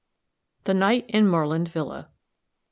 THE NIGHT IN MORELAND VILLA. Mr.